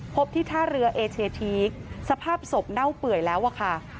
ที่ท่าเรือเอเชียทีกสภาพศพเน่าเปื่อยแล้วอะค่ะ